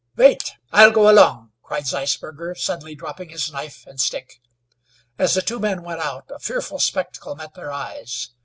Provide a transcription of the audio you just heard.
"Wait, I'll go along," cried Zeisberger, suddenly dropping his knife and stick. As the two men went out a fearful spectacle met their eyes.